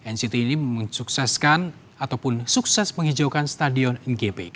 nct ini mensukseskan ataupun sukses menghijaukan stadion ngb